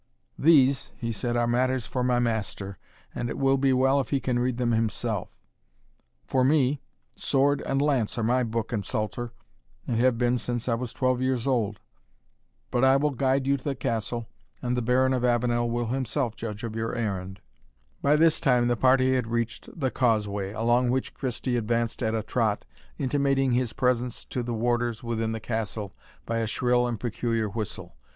"These," he said, "are matters for my master, and it will be well if he can read them himself; for me, sword and lance are my book and psalter, and have been since I was twelve years old. But I will guide you to the castle, and the Baron of Avenel will himself judge of your errand." By this time the party had reached the causeway, along which Christie advanced at a trot, intimating his presence to the warders within the castle by a shrill and peculiar whistle.